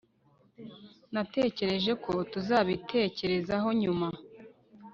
Natekereje ko tuzabitekerezaho nyuma